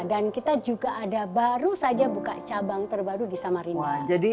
dan kita juga baru saja buka cabang terbaru di samarinda